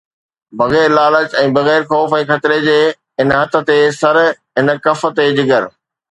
بغير لالچ ۽ بغير خوف ۽ خطري جي، هن هٿ تي سر، هن ڪف تي جگر